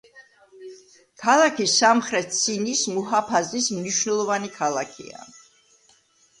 ქალაქი სამხრეთ სინის მუჰაფაზის მნიშვნელოვანი ქალაქია.